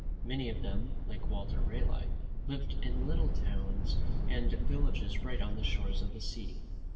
Many of them, like Walter Raleigh, lived in little towns and villages right on the shores of the sea.